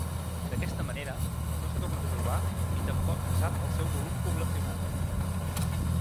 D'aquesta manera, no s'ha tornat a trobar i tampoc se sap el seu volum poblacional.